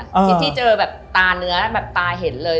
คิดที่เจอแบบตาเนื้อแบบตาเห็นเลย